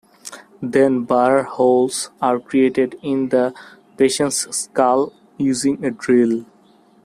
Then burr holes are created in the patient's skull using a drill.